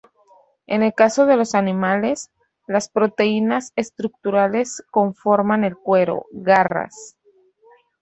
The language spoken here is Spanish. En el caso de los animales, las proteínas estructurales conforman el cuero, garras.